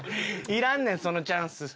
いらんねんそのチャンス。